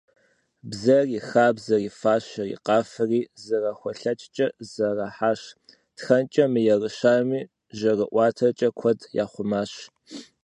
Бзэри, хабзэри, фащэри, къафэри зэрахулъэкӏкӏэ зэрахьащ, тхэнкӏэ мыерыщами, жьэрыӏуатэкӏэ куэд яхъумащ…